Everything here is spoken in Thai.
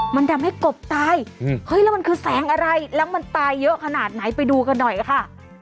มันทำให้กบตายเฮ้ยแล้วมันคือแสงอะไรแล้วมันตายเยอะขนาดไหนไปดูกันหน่อยค่ะ